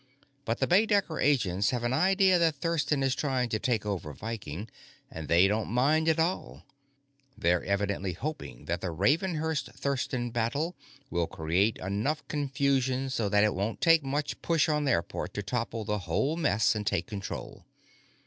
But the Baedecker agents have an idea that Thurston is trying to take over Viking, and they don't mind at all; they're evidently hoping that the Ravenhurst Thurston battle will create enough confusion so that it won't take much push on their part to topple the whole mess and take control.